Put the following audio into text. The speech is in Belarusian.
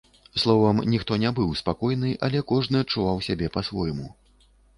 Словам, ніхто не быў спакойны, але кожны адчуваў сябе па-свойму.